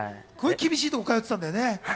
厳しいとこ、通ってたんだよね。